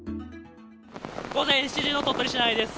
午前７時の鳥取市内です。